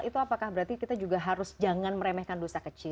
itu apakah berarti kita juga harus jangan meremehkan dosa kecil